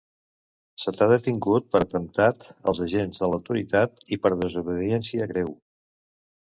Se t'ha detingut per atemptat als agents de l'autoritat i per desobediència greu.